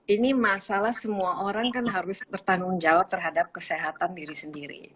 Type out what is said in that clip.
ini masalah semua orang kan harus bertanggung jawab terhadap kesehatan diri sendiri